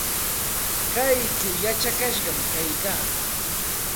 Kaychaw yachakashqam kaykaa.